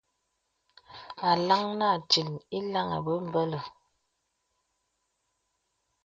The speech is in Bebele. A LAŋ Nə Atīl īlaŋī bə̀mbələ̀.